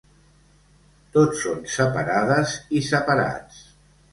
Tots són separades i separats.